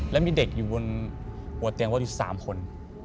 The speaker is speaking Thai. แล้วมีเด็กอยู่บนหัวเตียงรถอยู่๓คน